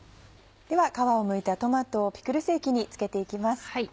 では皮をむいたトマトをピクルス液に漬けて行きます。